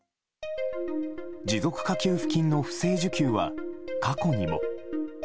持続化給付金の不正受給は過去にも。